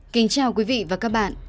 kính chào quý vị và các bạn